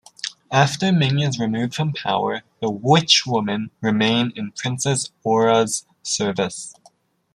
After Ming is removed from power, the Witch-Women remain in Princess Aura's service.